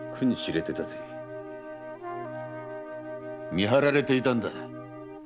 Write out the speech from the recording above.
見張られていたんだ。